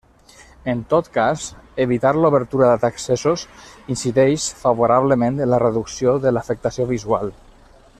En tot cas, evitar l'obertura d'accessos incideix favorablement en la reducció de l'afectació visual.